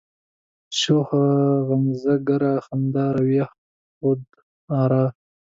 شوخه غمزه گره، خنده رویه، خود آرا